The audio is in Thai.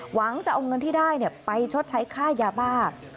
หวังจะเอาเงินที่ได้ไปชดใช้ค่ายาบ้า